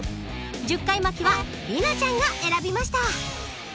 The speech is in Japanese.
１０回巻きは里奈ちゃんが選びました。